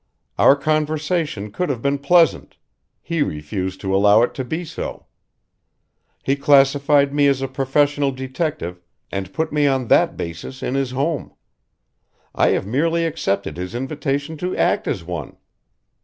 Our conversation could have been pleasant he refused to allow it to be so. He classified me as a professional detective and put me on that basis in his home. I have merely accepted his invitation to act as one.